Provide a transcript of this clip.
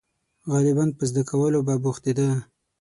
• غالباً په زده کولو به بوختېده.